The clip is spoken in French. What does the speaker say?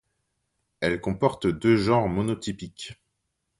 Elle comporte deux genres monotypiques.